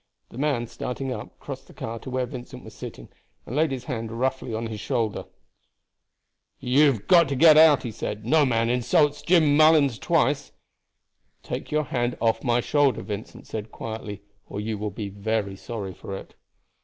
The man, starting up, crossed the car to where Vincent was sitting and laid his hand roughly on his shoulder. "You have got to get out!" he said. "No man insults Jim Mullens twice." "Take your hand off my shoulder," Vincent said quietly, "or you will be sorry for it."